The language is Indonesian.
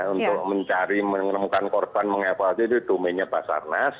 untuk mencari menemukan korban meng evakuasi itu domainnya pasar nas